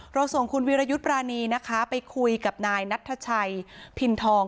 ส่งคุณวิรยุทธ์ปรานีนะคะไปคุยกับนายนัทชัยพินทอง